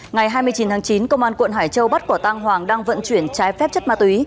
ngày hai mươi chín tháng chín công an quận hải châu bắt quả tang hoàng đang vận chuyển trái phép chất ma túy